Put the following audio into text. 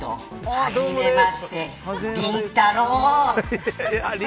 はじめましてりんたろー。